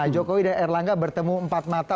jokowi dan erlangga bertemu empat mata